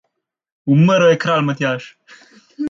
Umrl je kralj Matjaž!